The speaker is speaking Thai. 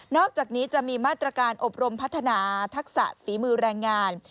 อกจากนี้จะมีมาตรการอบรมพัฒนาทักษะฝีมือแรงงาน